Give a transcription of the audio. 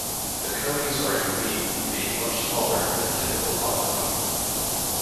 The coneys are unique, being much smaller than a typical hot dog.